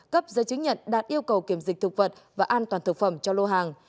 cấp giấy chứng nhận đạt yêu cầu kiểm dịch thực vật và an toàn thực phẩm cho lô hàng